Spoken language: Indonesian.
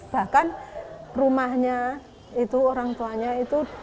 bahkan rumahnya itu orang tuanya itu